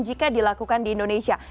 jika dilakukan di indonesia